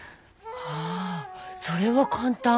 あそれは簡単。